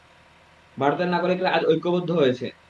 ভারতের নাগরিকরা আজ ঐক্যবদ্ধ হয়েছে।